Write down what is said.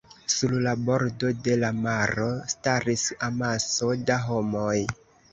Sur la bordo de la maro staris amaso da homoj.